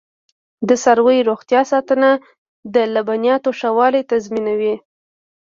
د څارویو روغتیا ساتنه د لبنیاتو ښه والی تضمینوي.